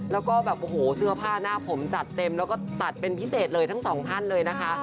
แล้วก็แบบโอ้โหเสื้อผ้าหน้าผมจัดเต็มแล้วก็ตัดเป็นพิเศษเลยทั้งสองท่านเลยนะคะ